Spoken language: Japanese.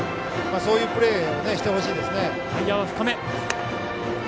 そういうプレーをしてほしいです。